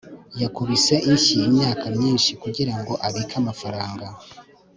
yakubise inshyi imyaka myinshi kugirango abike amafaranga